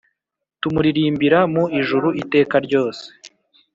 tumuririmbira mu ijuru iteka ryose.